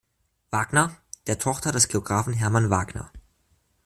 Wagner, der Tochter des Geographen Hermann Wagner.